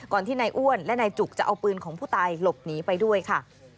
ที่นายอ้วนและนายจุกจะเอาปืนของผู้ตายหลบหนีไปด้วยค่ะ